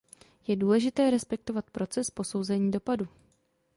Je důležité respektovat proces posouzení dopadu.